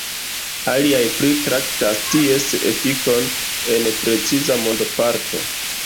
Aliaj pritraktas ties efikon en preciza mondoparto.